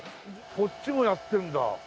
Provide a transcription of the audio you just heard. こっちもやってるんだ。